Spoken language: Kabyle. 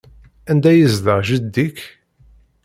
Anda ay yezdeɣ jeddi-k?